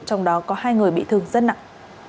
trong đó có hai người bị thương rất nặng